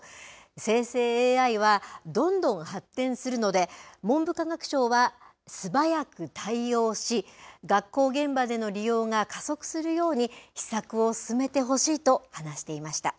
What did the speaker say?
生成ＡＩはどんどん発展するので、文部科学省は素早く対応し、学校現場での利用が加速するように、施策を進めてほしいと話していました。